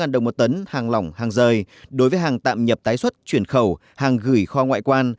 một mươi sáu đồng một tấn hàng lỏng hàng rời đối với hàng tạm nhập tái xuất chuyển khẩu hàng gửi kho ngoại quan